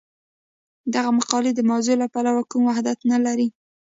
دغه مقالې د موضوع له پلوه کوم وحدت نه لري.